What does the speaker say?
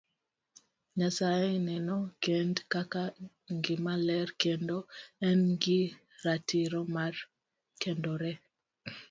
Nyasaye neno kend kaka gima ler kendo en gi ratiro mar kendore.